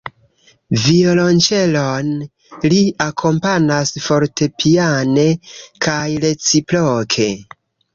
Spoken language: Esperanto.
Violonĉelon; li akompanas fortepiane kaj reciproke.